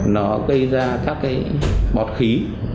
nó gây ra các cái bọt khí